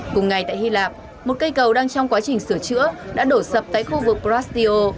cùng ngày tại hy lạp một cây cầu đang trong quá trình sửa chữa đã đổ sập tại khu vực prostio